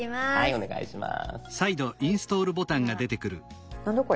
お願いします。